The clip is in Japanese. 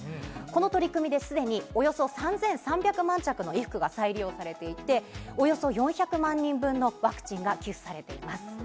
この取り組みで、すでにおよそ３３００万着の衣服が再利用されていて、およそ４００万人分のワクチンが寄付されています。